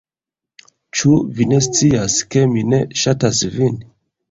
Ĉu vi ne scias, ke mi ne ŝatas vin?